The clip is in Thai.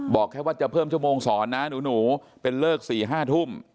บอกแค่ว่าจะเพิ่มชั่วโมงสอนนะหนูเป็นเลิก๔๕ทุ่ม